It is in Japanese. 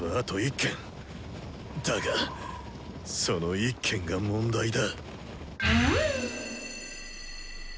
だがその１軒が問題だ。